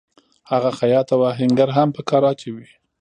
هغه خیاط او آهنګر هم په کار اچوي